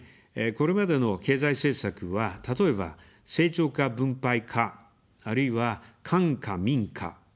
これまでの経済政策は、例えば「成長か分配か」、あるいは「官か民か」